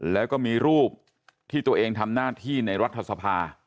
แล้วก็มีรูปที่ตัวเองทำหน้าที่ในรัฐสภา